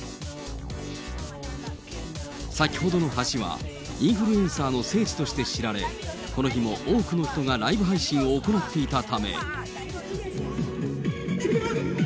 先ほどの橋は、インフルエンサーの聖地として知られ、この日も多くの人がライブ配信を行っていたため。